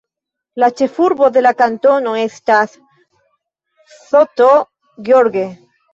La ĉefurbo de la kantono estas St. George.